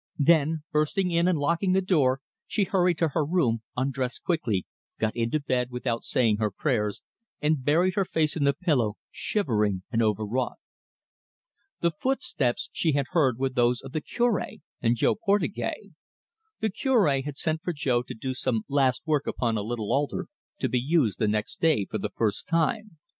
Then, bursting in and locking the door, she hurried to her room, undressed quickly, got into bed without saying her prayers, and buried her face in the pillow, shivering and overwrought. The footsteps she had heard were those of the Cure and Jo Portugais. The Cure had sent for Jo to do some last work upon a little altar, to be used the next day for the first time.